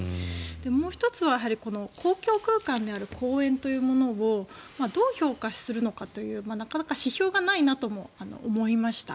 もう１つは公共空間である公園というものをどう評価するのかというなかなか指標がないなとも思いました。